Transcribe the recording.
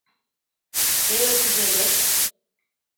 Теве кузе вет.